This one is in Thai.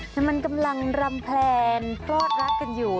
แต่มันกำลังรำแพลนคลอดรักกันอยู่